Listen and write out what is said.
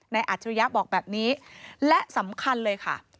อัจฉริยะบอกแบบนี้และสำคัญเลยค่ะ